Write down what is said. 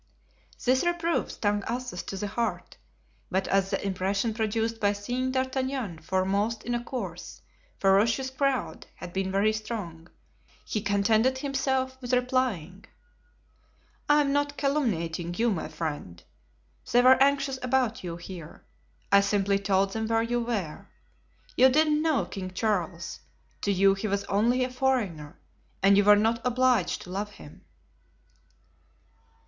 This reproof stung Athos to the heart, but as the impression produced by seeing D'Artagnan foremost in a coarse, ferocious crowd had been very strong, he contented himself with replying: "I am not calumniating you, my friend. They were anxious about you here; I simply told them where you were. You didn't know King Charles; to you he was only a foreigner and you were not obliged to love him."